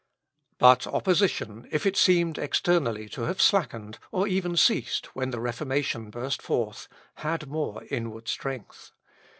But opposition, if it seemed externally to have slackened, or even ceased, when the Reformation burst forth, had more inward strength.